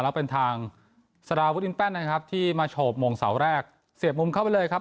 แล้วเป็นทางที่มาโฉบมงเสาแรกเสียบมุมเข้าไปเลยครับ